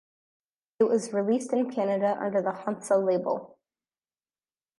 It was released in Canada under the Hansa label.